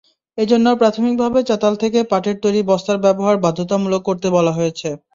এজন্য প্রাথমিকভাবে চাতাল থেকে পাটের তৈরি বস্তার ব্যবহার বাধ্যতামূলক করতে বলা হয়েছে।